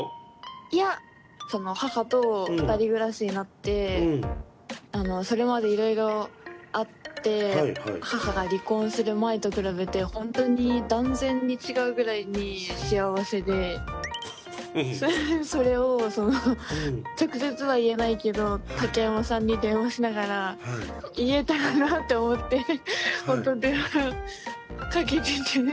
いやその母と２人暮らしになってそれまでいろいろあって母が離婚する前と比べてほんとに断然に違うぐらいに幸せでそれをその直接は言えないけど竹山さんに電話しながら言えたらなって思ってほんと電話かけてて。